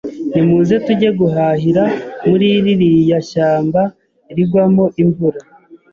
nimuze tujye guhahira muri ririya shyamba rigwamo imvura